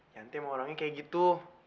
yanti sama orangnya kayak gitu